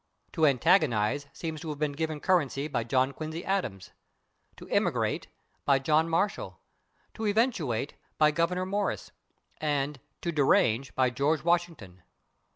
/To antagonize/ seems to have been given currency by John Quincy Adams, /to immigrate/ by John Marshall, /to eventuate/ by Gouverneur Morris, and /to derange/ by George Washington.